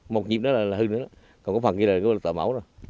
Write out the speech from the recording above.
một nhịp đó là hư nữa còn có phần kia là tòa mẫu đó